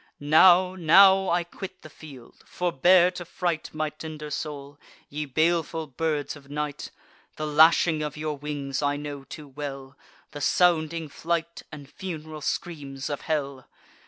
Now, now, I quit the field! forbear to fright My tender soul, ye baleful birds of night; The lashing of your wings I know too well, The sounding flight, and fun'ral screams of hell!